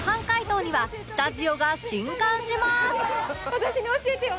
私に教えてよ！